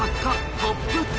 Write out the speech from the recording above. トップ１０。